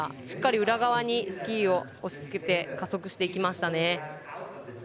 しっかり裏側にスキーを押し付けて加速していきました。